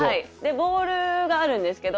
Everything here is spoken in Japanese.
ボールがあるんですけど。